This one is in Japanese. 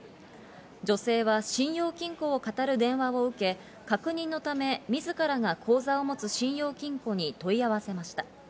女性は信用金庫をかたる電話を受け、確認のため自らが口座を持つ信用金庫に問い合わせました。